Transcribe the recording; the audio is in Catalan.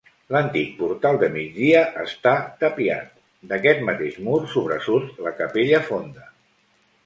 L'antic portal de migdia està tapiat, d'aquest mateix mur sobresurt la capella fonda.